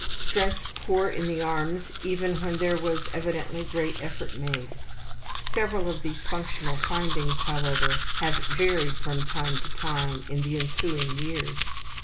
Strength poor in the arms even when there was evidently great effort made. (Several of these functional findings, however, have varied from time to time in the ensuing years.)